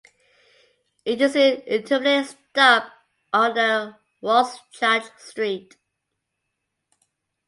It is an intermediate stop on the Rorschach–St.